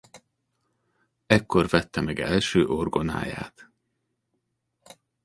Ekkor vette meg első orgonáját.